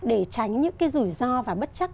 để tránh những rủi ro và bất chắc